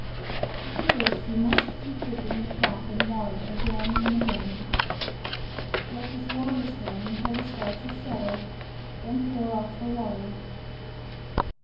To do this you must keep dipping the cloth in water again and again. Let this water stand until the starch has settled, then pour off the water.